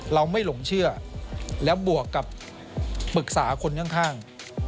เราไม่หลงเชื่อแล้วบวกกับปรึกษาคนข้าง